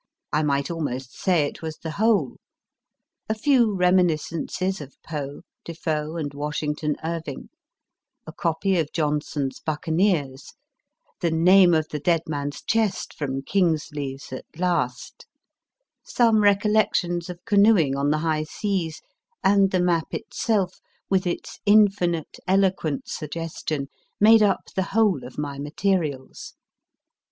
I might almost say it was the whole. A few reminiscences of Poe, Defoe, and Washington Irving, a copy of Johnson s Buccaneers, the name of the Dead Man s Chest from Kingsley s At Last, some recollections of canoeing on the high seas, and the map itself, with its infinite, eloquent suggestion, made up the whole of my materials.